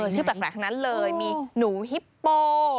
ชื่อแปลกทั้งนั้นเลยมีหนูฮิปโป้